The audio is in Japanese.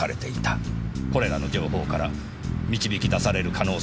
これらの情報から導き出される可能性はただ１つ。